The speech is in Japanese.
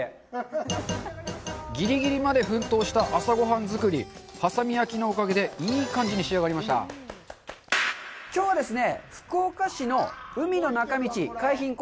ぎりぎりまで奮闘した朝ごはん作り波佐見焼のおかげでいい感じに仕上がりました今日はですね